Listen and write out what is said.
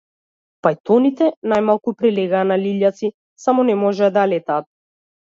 Пајтоните најмногу прилегаа на лилјаци, само не можеа да летаат.